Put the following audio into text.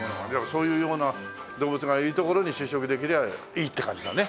そういうような動物がいるところに就職できりゃいいっていう感じだね。